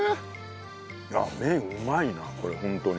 あっ麺うまいなこれホントに。